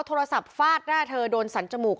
โทรศัพท์ฟาดหน้าเธอโดนสันจมูก